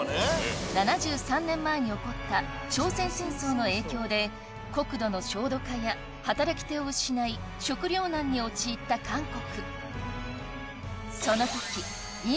７３年前に起こった朝鮮戦争の影響で国土の焦土化や働き手を失い食料難に陥った韓国